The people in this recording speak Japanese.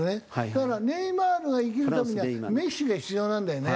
だからネイマールが生きるためにはメッシが必要なんだよね。